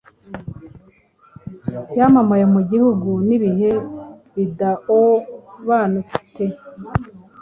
Yamamaye mu Gihugu nibihe bidaobanute